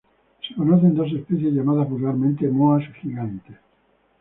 Se conocen dos especies, llamadas vulgarmente moas gigantes.